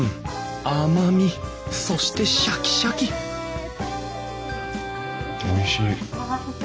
甘みそしてシャキシャキおいしい。